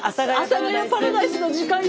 阿佐ヶ谷パラダイスの時間よ。